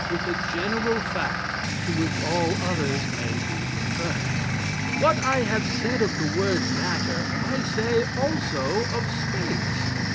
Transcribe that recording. with a general fact, to which all others may be referred. "What I have said of the word Matter, I say also of Space.